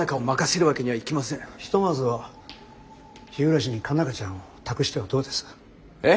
ひとまずは日暮に佳奈花ちゃんを託してはどうです？え？